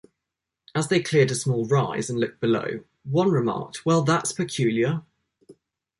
As they cleared a small rise and looked below, one remarked Well that's peculiar!